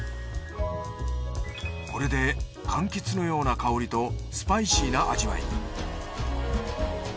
これでかんきつのような香りとスパイシーな味わいに。